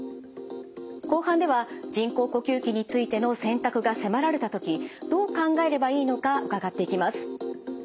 後半では人工呼吸器についての選択が迫られた時どう考えればいいのか伺っていきます。